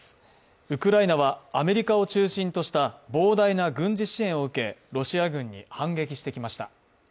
ウクライナはアメリカを中心とした膨大な軍事支援を受け、ロシア軍に反撃してきました。